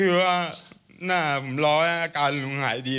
คือว่าน่าผมรอว่าอาการลุงหายดี